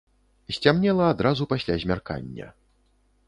Сцямнела адразу пасля змяркання.